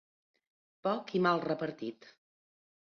Poc i mal repartit.